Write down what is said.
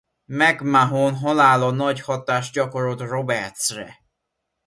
McMahon halála nagy hatást gyakorolt Roberts-re.